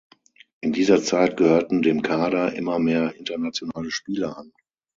In dieser Zeit gehörten dem Kader immer mehr internationale Spieler an.